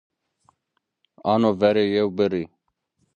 Ano verê yew birrî